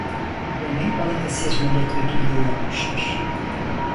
Dönem Balıkesir Milletvekilliği yapmıştır.